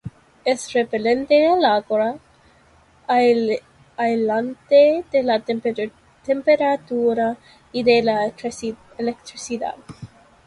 Es repelente al agua, aislante de la temperatura y de la electricidad.